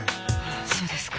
そうですか。